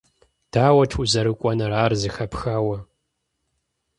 Дауэт узэрыкӀуэнур, ар зэхэпхауэ?..